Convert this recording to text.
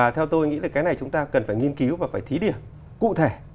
theo tôi nghĩ là cái này chúng ta cần phải nghiên cứu và phải thí điểm cụ thể